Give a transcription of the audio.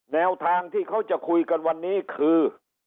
แนวทางที่เขาจะคุยกันวันนี้คือ